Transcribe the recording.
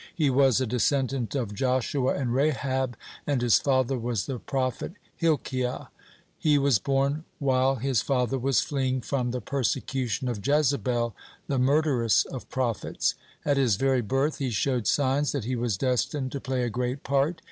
He was a descendant of Joshua and Rahab, and his father was the prophet (10) Hilkiah. He was born while his father was fleeing (11) from the persecution of Jezebel, the murderess of prophets. At his very birth he showed signs that he was destined to play a great part.